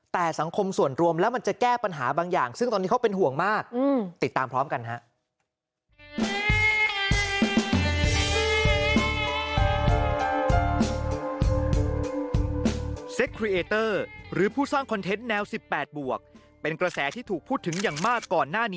แต่สังคมส่วนรวมแล้วมันจะแก้ปัญหาบางอย่างซึ่งตอนนี้เขาเป็นห่วงมากติดตามพร้อมกันฮะ